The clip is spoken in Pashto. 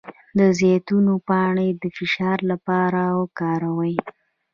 د زیتون پاڼې د فشار لپاره وکاروئ